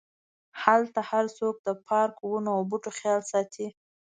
هلته هرڅوک د پارک، ونو او بوټو خیال ساتي.